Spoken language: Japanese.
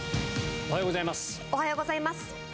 おはようございます。